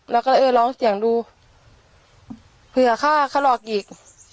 แล้วก็เออร้องเสียงดูเผื่อฆ่าเขาหลอกอีก